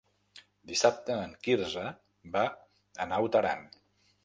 Dissabte en Quirze va a Naut Aran.